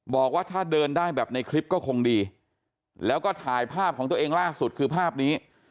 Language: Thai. บอกว่าถ้าเดินได้แบบในคลิปก็คงดีแล้วก็ถ่ายภาพของตัวเองล่าสุดคือภาพนี้